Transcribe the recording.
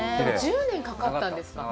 １０年かかったんですか？